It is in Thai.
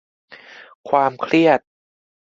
ความเครียด